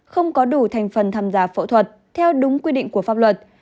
không có đủ thành phần tham gia phẫu thuật theo đúng quy định của pháp luật